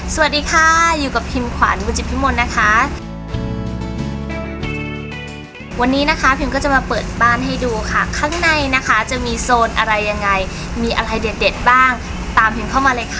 สวัสดีค่ะอยู่กับพิมขวัญบุจิตพิมลนะคะวันนี้นะคะพิมก็จะมาเปิดบ้านให้ดูค่ะข้างในนะคะจะมีโซนอะไรยังไงมีอะไรเด็ดเด็ดบ้างตามพิมเข้ามาเลยค่ะ